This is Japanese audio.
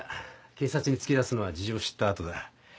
警察に突き出すのは事情知った後だ。